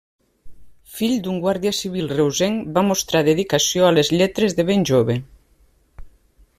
Fill d'un guàrdia civil reusenc, va mostrar dedicació a les lletres de ben jove.